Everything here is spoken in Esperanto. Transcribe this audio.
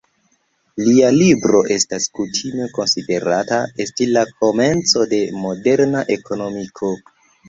Lia libro estas kutime konsiderata esti la komenco de moderna ekonomiko.